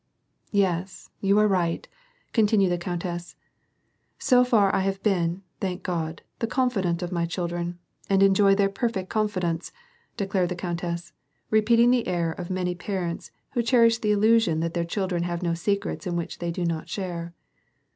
"Yes, you are right," continued the countess, ''So far I have been, thank God, the confidant of my children, and enjoy their perfect confidence," declared the countess, repeat ing the error of many parents who cherish the illusion that their children have no secrets in which they do not share.